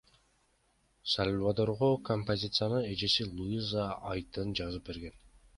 Сальвадорго композицияны эжеси Луиза атайын жазып берген.